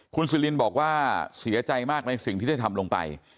คุณซิลินบอกว่าเสียใจมากในสิ่งที่ได้ทำลงไป